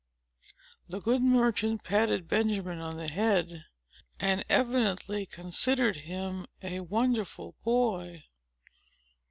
The good merchant patted Benjamin on the head, and evidently considered him a wonderful boy.